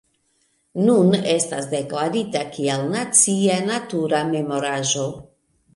Nun estas deklarita kiel nacia natura memoraĵo.